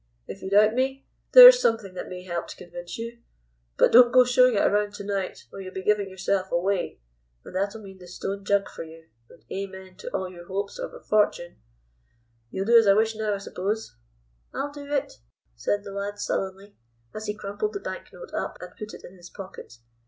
"If you doubt me, there's something that may help to convince you. But don't go showing it around to night, or you'll be giving yourself away, and that'll mean the Stone Jug for you, and 'Amen' to all your hopes of a fortune. You'll do as I wish now, I suppose?" "I'll do it," said the lad sullenly, as he crumpled the banknote up and put it in his pocket.